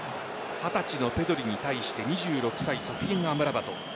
二十歳のペドリに対して２６歳、ソフィアン・アムラバト。